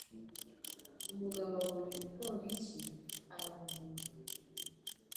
Umugabo abonye umupolisi, arahunga.